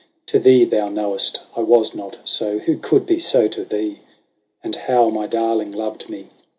To thee, thou know'st, I was not so. Who could be so to thee ? And how my darling loved me